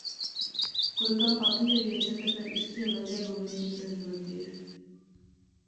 کوئی کم آپی ہوئی اچھے تہ فیر اس کیا وجہ لوڑنے نی کہہ ضرورت دیر